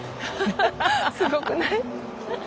すごくない？